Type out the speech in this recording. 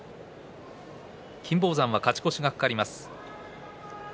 金峰山は勝ち越しが懸かります。